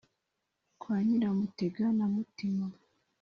kwa nyiramutega na mutima